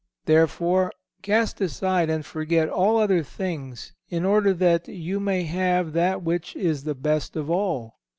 Therefore cast aside and forget all other things in order that you may have that which is the best of all.